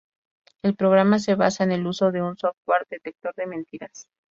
El programa se basa en el uso de un software detector de mentiras.